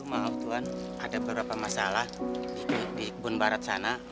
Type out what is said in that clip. maaf tuhan ada beberapa masalah di kebun barat sana